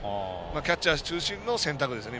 キャッチャー中心の選択ですね。